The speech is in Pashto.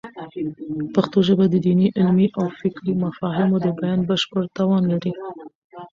پښتو ژبه د دیني، علمي او فکري مفاهیمو د بیان بشپړ توان لري.